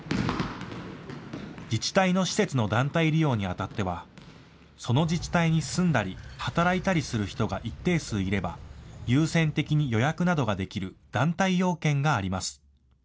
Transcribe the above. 自治体の施設の団体利用にあたってはその自治体に住んだり働いたりする人が一定数いれば優先的に予約などができる団体要件があります。